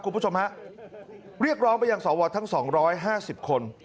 คุณผู้ชมฮะเรียกร้องไปอย่างสอวอทั้งสองร้อยห้าสิบคน